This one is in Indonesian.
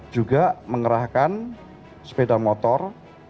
juga mengerahkan sepeda motor